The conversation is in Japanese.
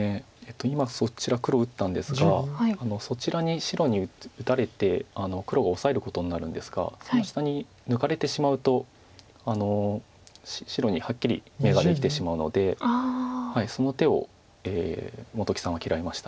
今そちら黒打ったんですがそちらに白に打たれて黒がオサえることになるんですがその下に抜かれてしまうと白にはっきり眼ができてしまうのでその手を本木さんは嫌いました。